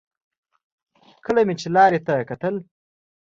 کله مې چې لارې ته کتل.